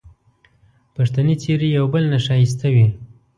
پښتني څېرې یو بل نه ښایسته وې